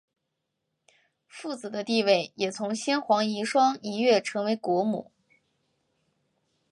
富子的地位也从先皇遗孀一跃成为国母。